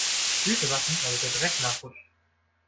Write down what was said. Füße waschen, damit der Dreck nachrutscht.